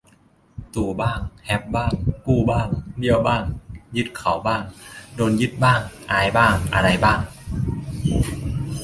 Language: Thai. ตู่บ้าง แฮปบ้าง กู้บ้าง เบี้ยวบ้าง ยึดเขาบ้าง โดนยึดบ้าง อายบ้าง อะไรบ้าง